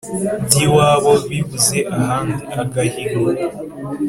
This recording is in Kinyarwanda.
by'iwabo bibuze ahandi (agahigo)